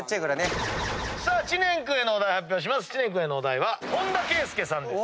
さあ知念君へのお題発表します。